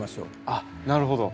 あっなるほど。